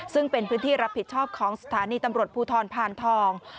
ซึ่งเป็นพื้นที่รับผิดชอบของสถานีตำรวจภูทรพานทอง